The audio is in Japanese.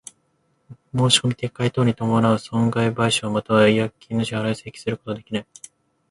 申込みの撤回等に伴う損害賠償又は違約金の支払を請求することができない。